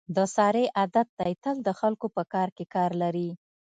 د سارې عادت دی تل د خلکو په کاروکې کار لري.